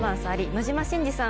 野島伸司さん